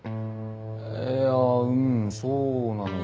いやうんそうなのよ